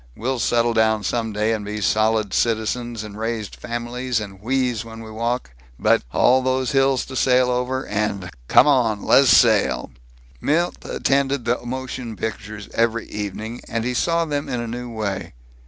We'll settle down some day and be solid citizens and raise families and wheeze when we walk, but All those hills to sail over and Come on! Lez sail!" Milt attended the motion pictures every evening, and he saw them in a new way.